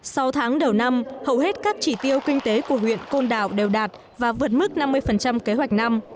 sau tháng đầu năm hầu hết các chỉ tiêu kinh tế của huyện côn đảo đều đạt và vượt mức năm mươi kế hoạch năm